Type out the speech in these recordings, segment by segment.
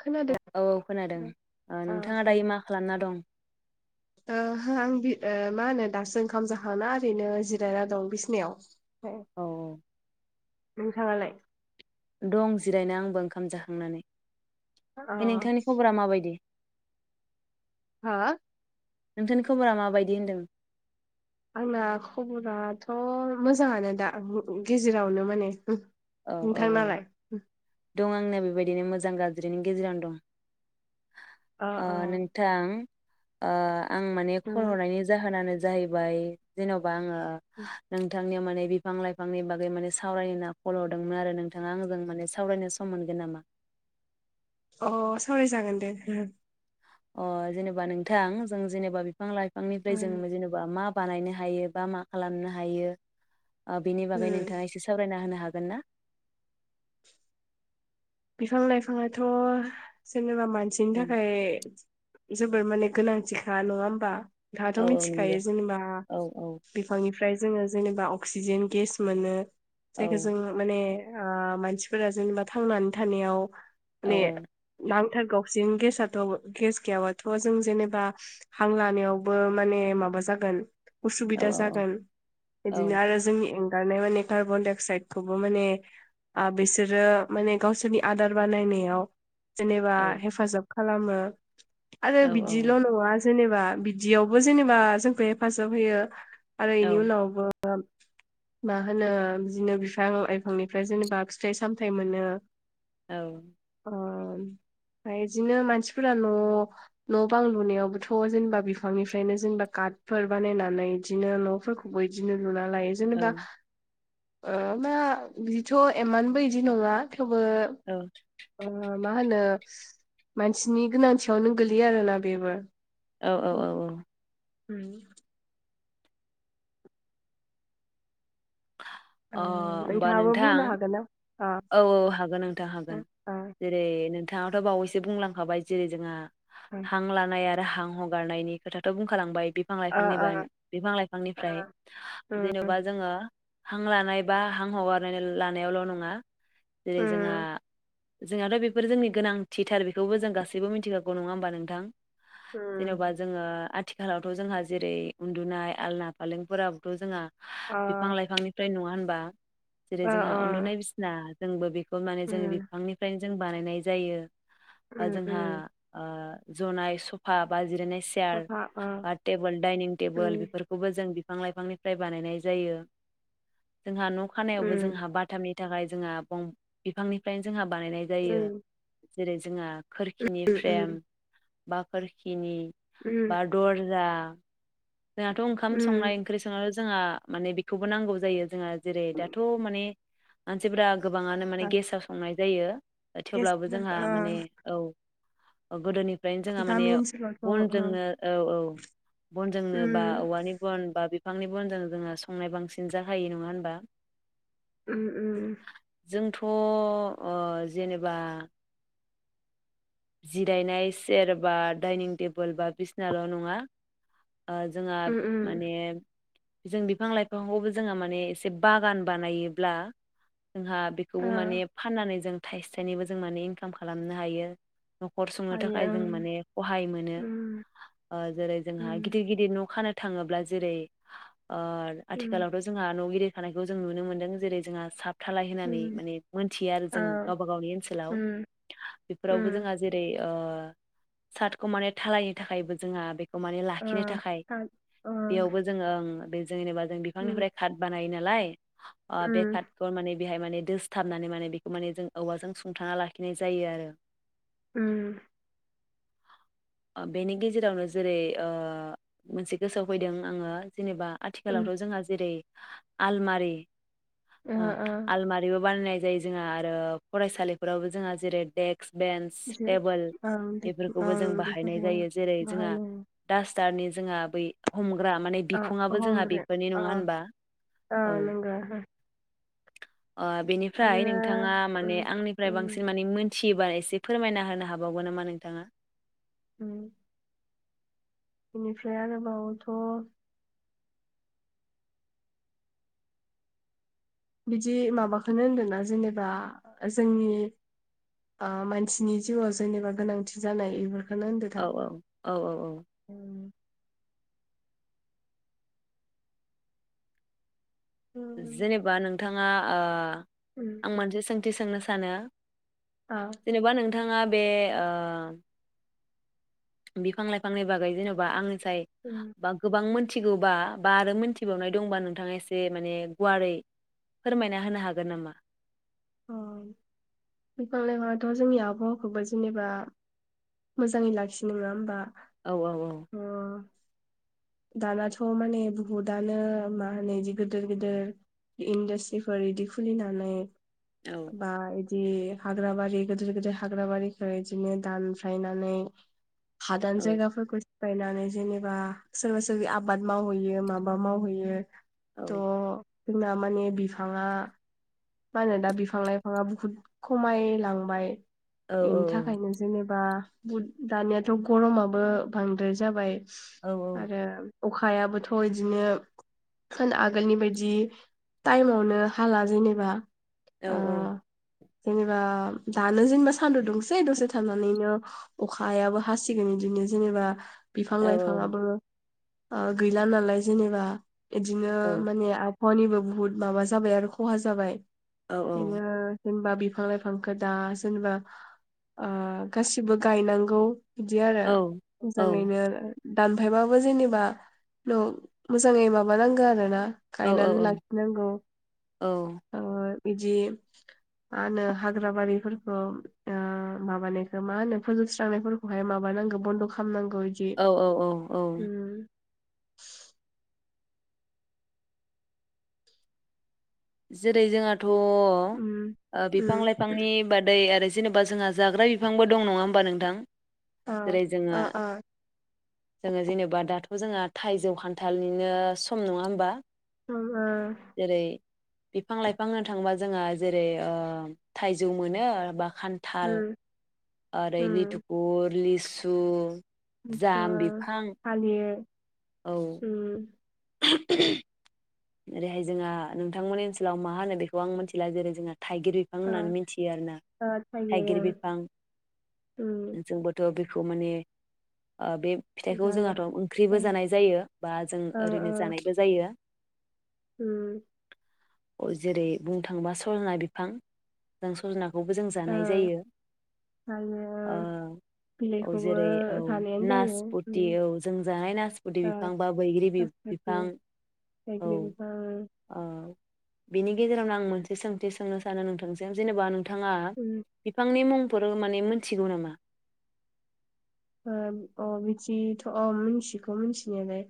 खोनादों औ औ खोनादों ओ नोंथाङा दायो मा खालामना दं? ओहो आं बि ओ मा होनो दासो ओंखाम जाखांना ओरैनो जिरायना दं बिसनायाव। औ [inaudible] नोंथाङालाय? दं जिरायनो आंबो ओंखाम जाखांनानै। अ बे नोंथांनि खबरा माबायदि? हा। नोंथांनि खब'रा मा बायदि होनदों? आंना खबराथ' मोजाङानो दा गेजेरावनो माने। औ औ नोंथां नालाय? दं आंना बेबायदिनो मोजां गाज्रिनि गेजेरावनो दं। अ ओ अ नोंथां। ओ। आं माने खल हरनायनि जाहोनानो जाहैबाय जेन'बा आङो ओ नोंथां [inaudible] माने बिफां लाइफांनि बागै माने सावरायनो होनना कल हरदोंमोन आरो नोंथाङा आंजों माने सावरायनो सम मोनगोन नामा? अ सावराय जागोन दे हो। अ जेनेबा नोंथां जों जेनेबा बि बिफां लाइफांनिफ्राय जों जेनेबा मा? बानायनो हायो बा मा खालामनो हायो? ओ बेनि बागै नोंथाङा एसे सावरायना होनो हागोन? हागोनना? बिफां लाइफांङाथ' जेनेबा मानसिनि औ थाखाय मा जोबोर माने गोनांथिखा नङा होमबा? औ नोंथांआथ' मिथिखायो नंगौ जेनेबा औ औ बिफांनि ओमफ्राय जोङो जेनेबा अक्सिजेन गेस मोनो। औ जायखो जों माने आ मानसिफोरा जेनेबा थांनानै थानायाव। औ माने नांथार गो ववसिन गेसाथ' गेस गैयाबाथ' जों जेनेबा हां लानायावबो माने माबा जागोन। उसुबिदा औ जागोन औ बिदिनो आरो जोंनि [inaudible] माने कार्बन-डाइ-अक्साइदखौबो माने आ बिसोरो माने गावसोरनि आदार बानायनायाव जेनेबा औ हेफाजाब खालामो आरो औ बिदिल'नङा जेनेबा बिदियावबो जेनेबा जोंखौ हेफाजाब होयो आरो इनि उनावबो ओम मा होनो बिदिनो बिफां लाइफांनिफ्राय जेनेबा फिथाइ सामथायाइ मोनो औ ओ ओमफ्राय इदिनो मानसिफोरा न न बां लुनायावबोथ जेनेबा बिफांनिफ्रायनो जेनेबा काटफोर बानायनानै इदिनो न फोरखौबो इदिनो लुना लायो जेनेबा ओ मा बिदिथ एमानबो इदि नङा थेवबो औ ओ मा होनो मानसिनि गोनांथियावनो गोलैयो आरोना बेबो औ औ औ उम औ उम अ ओं होमबा नोंथांङाबो नोंथां बुंनो हागोन ना अ औ औ हागोन नोंथां अ हागोन अ जेरै नों थांङाथ बावैसो बुंलांखाबाय जेरै जोंहा हां लानाया आरो हां हगारनायनि खोथाथ बुंखालांबाय बिफां अ लाइफांनि अ बानाय [unintelligible] बिफां अ लाइफांनिफ्राय उम जेनबा जोङो हां लानाय बा हां हगारनानै लानायावल नङा जेरै जोंहा उम जोंनाथ बेफोर जोंनि गोनांथिथार बेखौबो जों गासैबो मिथिखागौ नङा होमबा नोंथां उम जेनेबा जोंङो आथिख खालावथ जोंहा जेरै उन्दुनाय आलना फालें फोराबोथ जोंहा बिफां लाइफांनिफ्राय नङा होन बा जेरै जोंहा उन्दुनाय बिस आ जोंबो बेख खौ माने जों बिफांनिफ्राय जों बानायनाय जायो बा जोंहा ओ जनाय सफा बा जिरायनाय सियार बा तेबोल दायनिं तेबोल बेफोरखौबो जों बिफां लाइफांनिफ्राय बानायनाय जायो। जोंहा न' खानायावबो जोंहा बाथामनि नि थाखाय जोंहा बं बिफांनिफ्रायनो जोंहा बानायनाय जायो। जेरै जोंहा खोरखिनि फ्रेम बा खोरखिनि बा दरजा [inaudible] जोंहाथ' ओंखाम संनाय ओंख्रि संनाय जोंहा माने बेखौबो नांगौ जायो जोंहा जेरै दाथ' माने आनसे [unintelligible] गोबांङानो माने गेसाव संनाय जायो थेवब्लाबो जोंहा माने औ गोदोनि फ्राय जोंहा माने बनजोंनो औ औ बन नो बा औवानि बन बा बिफांनि बनजों जोंङो संनाय बांसिन जाखायो नङा होनबा? उम उ जोंथ' ओ जेनेबा जिरायनाय चेर बा दाइनिं टेबोल बा बिसनाल' नङा ओ जोंहा माने जों बिफां लाइफांखौबो जोंहा माने एसे बागान बानायोब्ला जोंहा बेखौबो माने फाननानै जों थाइसे थाइनैबो जों माने इनकाम खालामनो हायो। न'खर सुंनो थाखाय जों माने खहाय मोनो ओ जेरै जोंहा गिदिर गिदिर न' खानो थांङोब्ला जेरै ओ आथिखालावथ' जोंहा न' गिदिर थानायखौ जों नुनो मोन्दों जेरै जोंहा साब धालाय होनानै माने मोनथियो आरो जों गावबा गावनि ओनसोलाव बेफोराव बो जोंहा जेरै ओ साटखौ माने धालायनो थाखायबो जोंहा बे खौ माने लाखिनो थाखाय बेयावबो जोंङो ओं बे जेनेबा जों बिफांनिफ्राय काट बानायो ना लाय अ बेखारथ' माने बेहाय माने दोसथाबनानै माने बेखौ माने जों औवाजों सुंथाना लाखिनाय जायो आरो उम आ बेनि गेजेरावनो जेरै ओ मोनसे गोसोआव फैदों आङो जेनेबा आथिखालावथ' जोंहा जेरै आलमारि ओ आल मारिबो बानायनाय जायो जोंहा आरो फरायसालिफोरावबो जोंहा जेरै देक्स बेन्स टेबोल बेफोरखौबो जों बाहायनाय जायो जेरै जोंहा दास्थ टारनि जोंहा बै हमग्रा माने बिखुङाबो जोंहा बेफोरनि नङा होनबा औ नंगौ ओ आरो बेनिफ्राय नोंथाङा उम माने आंनिफ्राय उम बांसिन माने मोनथि थियोबा एसे एसे फोरमायना होनो हाबावगोन नामा नोंथाङा उम बेनिफ्राय आरोबावथ' बिदि माबाखोनो होनदोना जेनेबा जोंनि ओ मानसिनि जिउआव जेनेबा गोनांथि जानाय बेफोरखौ औ औ औ औ औ जेनेबा नों नोंथाङा ओ आं मानसे सों थि सोंनो सानो जेनेबा नों थाङा बे ओ बिफां लाइफांनि बागै जेन'बा आंनि साय बा गोबां थिगौबा बा आरो मोनथिबावनाय दंबा नोंथाङा एसे माने गुवारै फोरमायना होनो हागोन नामा अ बिफां लाइफाङाथ' जोंनि आबहावाखौबो जेनेबा मोजाङै लाखियो नोङा होमबा औ औ अ दानाथ' माने बहुदानो मा होनो बिदि गोदिर गोदिर इन्डास्ट्रिफोर इदि खुलिनानै औ बा बिदि हाग्रा बारि गोदोर गोदोर हाग्रा बारिखौ इदिनो दानफायनानै हादान औ जायगाफोरखौ बायनानै जेनेबा सोरबा सोरबि आबाद मावहैयो माबा मावहैयो औ थ' जोंना माने बिफाङा मा होनो दा बिफां लाइफाङा बुहुद खमायलांबाय। औ बेनि थाखायनो जेने बा दानियाथ' गरमाबो बांद्राय जाबाय। औ आरो अखायाबोथ' इदिनो होन आगोलनि बायदि टाइमावनो हाला जेनेबा औ औ ओ जेनेबा दानो जेनेबा सानदुं दुंसै दसे थानानैनो अखायाबो हासिगोन इदिनो जेनेबा बिफां औ लाइफाङाबो ओ गैला नालाय जेनेबा। इदिनो माने आब हावानिबो बुहुत माबा जाबाय आरो खहा जाबाय। दिनो जेनबा बिफां लाइफांखो दा जेनेबा ओ गासिबो गायनांगौ। बिदि आरो मोजाङैनो दानफायबाबो जेनेबा न' मोजाङै माबानांगो आरो ना। गायनानै लाखिनांगौ ओ बिदि मा होनो हाग्रा बारिफोरखौ ओ माबानायखौ मा होनो फोजोबस्रांनायफोरखौहाय माबानांगौ बनद'' खामनां औ औ औ औ [inaudible] जेरै जोंहा थ' ओ उम बिफां उम लायफांनि बादै आरो जेनेबा जोंहा जाग्रा बिफांबो दं नङा होमबा नोंथां? अ जेरै जोङो अ अ जोङो जेनेबा दाथ' जोहा थाइजौ खानथालनिनो सम नङा होमबा? जेरै [inaudible] बिफां लायफां होननो थाङोबा जोंहा जेरै ओ थाइजौ मोनो बा खानथाल उम ओरै लितुपुर लिसु सु बिफोर थालिर औ उम [unintelligible] ओरैहाय जोंहा नोंथांमोननि ओनसोलाव मा होनो बेखौ आं मोनथिला जेरै जोंहा थाइगिर बिफां ओ होननानै मिथियो आरोना थाइगिर बिफां ओं जोंबोथ' बे खौ माने ओ बे उम फिथाइखौ जानो जोंहाथ' ओ ओंख्रिबो जानाय जायो बा जों ओ ओरैनो ओ जानायबो जायो। उम। जेरै बुंनो थाङोबा सजना बिफां जों सजना खौबो जों ओ जानाय जायो ओ औ बिलाइखौबो जेरै औ जानायानो जायो उम नासपुथि औ जों जानाय नासपुथि ओ बिफां बा बैग्रि नासपति बिफां। औ औ बेनि [unintelligible] गेजेरावनो आं मोनसे सोंथि सोंनो सानो नोंथांसिम जेनेबा थांङा उम बिफांनि मुं फोर माने मोनथिगौ नामा? ओ अ बिदिथ'अ मिथिगौ मिथिनायालाय।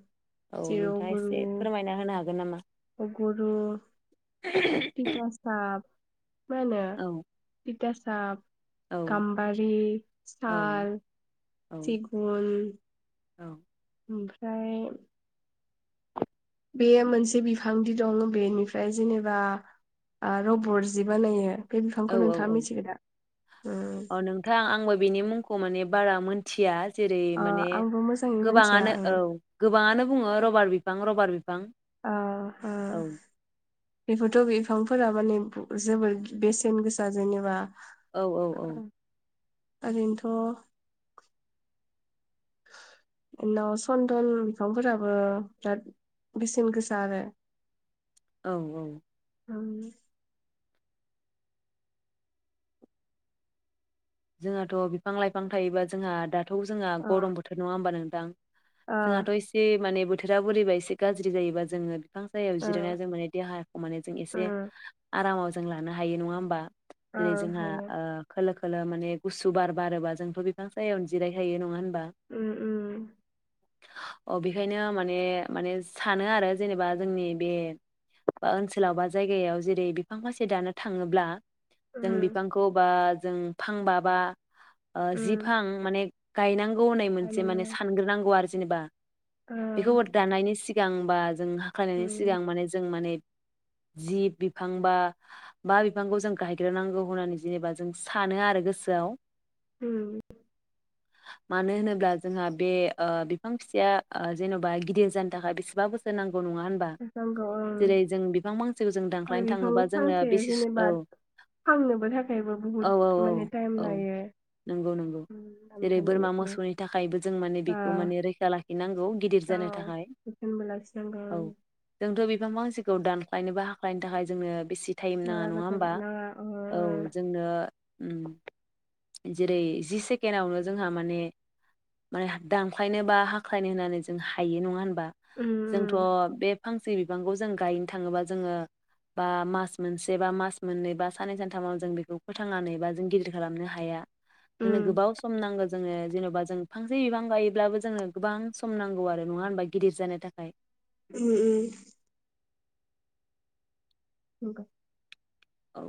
औ नोंथाङा एसे जिउगुरु फोरमायना होनो हागोन नामा? अगरु तिथा साब मा होनो औ तिता साफ औ गामबारि औ साल सिगुन। औ। ओमफ्राय बेयो मोनसे बिफांदि दं बेनिफ्राय जेनेबा ओ रबर जि बानायो। बे बिफांखौ नोंथाङा मिथिगौ दा? अ नोंथां आंबो बिनि मुंखौ माने बारा मोनथिया जेरै ओ माने आंबो मोजाङै मिथिया गोबाङानो ओं औ गोबाङानो बुङो रबार बिफां रबार बि अ ओ बेबोथ' बिफां फोरा माने जोबोर बेसेन गोसा जेनेबा। औ औ औ। ओरैनोथ' उनाव सन्दन बिफांफोराबो बिराद बेसेन गोसा आरो। औ औ। ओं। जोंहाथ' बिफां लाइफां थायोबा जोंहा आदार थौ जोंहा ओ गरम बोथोर नङा होमबा नों [unintelligible] जोंहाथ' एसे माने थोरा बोरैबा एसे गाज्रि जायोबा जोङो बिफां सायायाव ओ जिरायनाय जों माने देहाखौ माने जों ओ एसे आरामाव जों लानो हायो नङा होनबा? ओ जेरै जोंहा हायो ओ खोलो खोलो माने गुसु बार बारोबा जोंथ' बिफां सायायावनो जिरायखायो नङा होन उम उम। अ बेखायनो माने माने सानो आरो जेनेबा जोंनि बे बा ओनसोलाव बा जायगायाव जेरै बिफां फांसे दानो थाङोब्ला जों उम बिफांखौ बा जों। फांबाबा ओ उम जि फां माने गायनां गौ मोनसे माने हानांगौ सानग्रोनांगौ आरो जेनबा। ओ बेखौ दानायनि सि सिगांबा। जों हाखख्लायनायनि उम सिगां माने जों माने जि बिफां बा मा बिफांखौ जों गायग्रोनांगौ होननानै जेनेबा जों सा सानो आरो गोसोआव। उम। मानो होनोब्ला जोंहा बे ओ बिफां फिसाया जेन'बा गिदिर जानो थाखाय बेसेबा बोसोर नांगौ। नङा होनबा नांगौ ओं जेरै जों बिफां फांसेखौ जों आरो दानख्लायनो बिफां थाङोबा जोंनो फांसे बेसे जेनेबा औ फाननोबो थाखायबो औ बुहुद औ माने टाइम औ औ लायो नंगौ नंगौ उम, जेरै ओमफ्राय बोरमा बेखौ मोसौनि थाखायबो जों माने ओ बेखौ माने रैखा लाखिनांगौ गिदिर औ जानो थाखाय जोथोनबो लाखिनांगौ औ जोंथ' बिफां फांसे खौ दानख्लायनोबा हाख्लायनो थाखाय जोंनो बेसि टाइम बारा नाङा नङा गोजान होमबा नाङा ओ औ जोंनो उम जेरै जि सेकेणडआवनो जोंहा माने माने दानख्लायनो बा हाख्लायनो होननानै जों हायो नङा होन बा जोंथ' उम बे फांसे बिफांखौ जों गायनो थाङोबा जोङो बा मास मोनसे बा मास मोननै बा साननै सानथामाव जों बेखौ फोथांनानै बा जों गिदिर खालामनो हाया। जोंनो उम गोबाव सम नांगौ। जोङो जेन'बा जों फांसे बिफां गायोब्लाबो जोङो गोबां सम नांगौ आरो नङा होनबा गिदिर जानो थाखाय। उम उम। नंगौ। औ।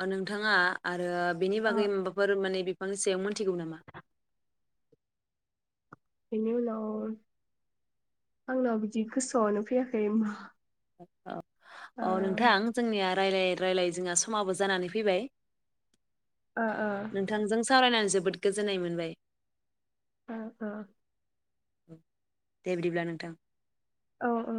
ओ नोंथाङा आरो बेनि ओ बागै माबाफोर माने बिफांनि सायाव मोनथिगौ नामा? बेनि उनाव आंनाव बिदि गोसोआवनो फैयाखै मा। अ। ओ अ नोंथां जोंनिया रायज्लाय रायजलाय जोंहा समाबो जानानै फैबाय। ओ ओ नोंथांजों सावरायनानै जो बोद गोजोननाय मोनबाय। औ औ। दे बिदिब्ला नोंथां। औ औ।